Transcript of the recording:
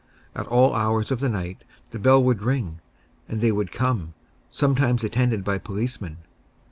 At all hours of the night the bell would ring, and they would come, sometimes attended by policemen.